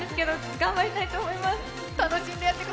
頑張りたいと思います。